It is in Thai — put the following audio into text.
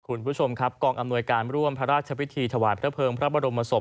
คุณผู้ชมครับกองอำนวยการร่วมพระราชพิธีถวายพระเภิงพระบรมศพ